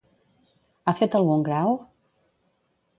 Ha fet algun grau?